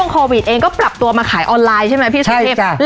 โควิดเองก็ปรับตัวมาขายออนไลน์ใช่ไหมพี่สุเทพ